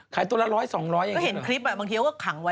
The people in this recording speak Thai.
ขายตัวละร้อย๒๐๐อย่างนี้หรอก็เห็นคลิปแบบบางทีเขาก็ขังไว้